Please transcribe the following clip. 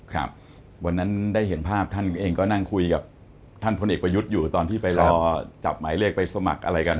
ครับวันนั้นได้เห็นภาพท่านเองก็นั่งคุยกับท่านพลเอกประยุทธ์อยู่ตอนที่ไปรอจับหมายเลขไปสมัครอะไรกัน